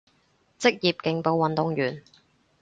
職業競步運動員